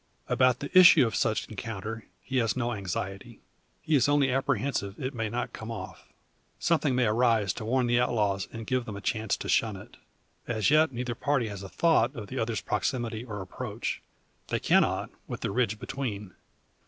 About the issue of such encounter he has no anxiety. He is only apprehensive it may not come off. Something may arise to warn the outlaws, and give them a chance to shun it. As yet neither party has a thought of the other's proximity or approach. They cannot, with the ridge between.